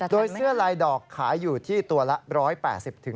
โดยเสื้อลายดอกขายอยู่ที่ตัวละ๑๘๐